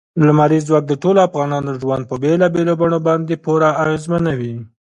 لمریز ځواک د ټولو افغانانو ژوند په بېلابېلو بڼو باندې پوره اغېزمنوي.